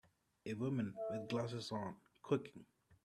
A Woman with glasses on, cooking.